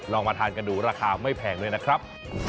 มาทานกันดูราคาไม่แพงด้วยนะครับ